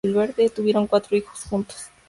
Tuvieron cuatro hijos juntos.